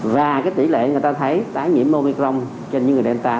và cái tỷ lệ người ta thấy tái nhiễm omicron trên những người delta